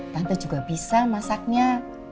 tante juga bisa masaknya